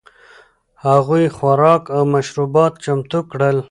هغوی خوراک او مشروبات چمتو کړل.